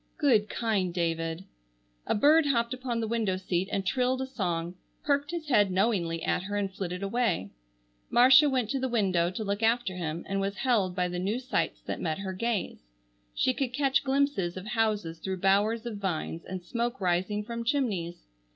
Good kind David! A bird hopped upon the window seat and trilled a song, perked his head knowingly at her and flitted away. Marcia went to the window to look after him, and was held by the new sights that met her gaze. She could catch glimpses of houses through bowers of vines, and smoke rising from chimneys.